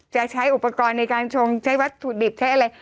จะใช้อุปกรณ์ในการชงใช้วัตถุดิบใช้อะไร